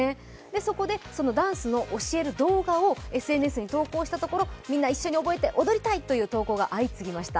そこでダンスを教える動画をＳＮＳに投稿したところみんな一緒に覚えて踊りたいという投稿が相次ぎました。